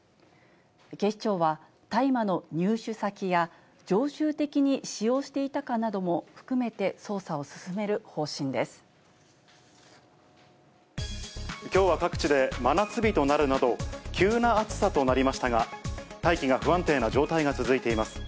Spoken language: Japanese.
警視庁は大麻の入手先や常習的に使用していたかなども含めて捜査きょうは各地で真夏日となるなど、急な暑さとなりましたが、大気が不安定な状態が続いています。